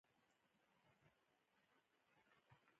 اکثریت خلک عادي انسانان دي.